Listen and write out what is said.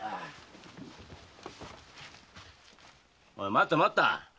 待った待った！